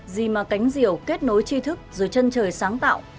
gì mà cánh diều kết nối chi thức rồi chân trời sáng tạo